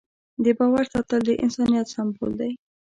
د باور ساتل د انسانیت سمبول دی.